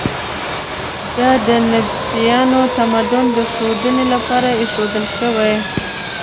دا د نبطیانو تمدن د ښودلو لپاره ایښودل شوي.